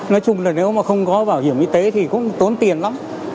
nói chung là nếu mà không có bảo hiểm y tế thì cũng tốn tiền lắm